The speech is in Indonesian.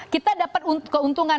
kita dapat keuntungan